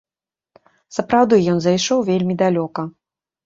Сапраўды ён зайшоў вельмі далёка.